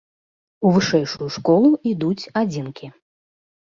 У вышэйшую школу ідуць адзінкі.